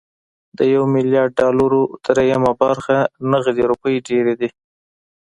د يو ميليارد ډالرو درېيمه برخه نغدې روپۍ ډېرې دي.